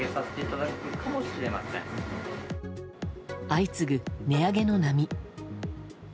相次ぐ値上げの波。